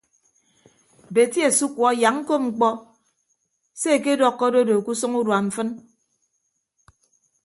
Beti asukuọ yak ñkop mkpọ se ekedọkkọ adodo ke usʌñ urua mfịn.